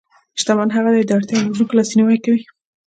شتمن هغه دی چې د اړتیا لرونکو لاسنیوی کوي.